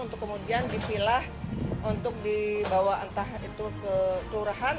untuk kemudian dipilah untuk dibawa entah itu ke kelurahan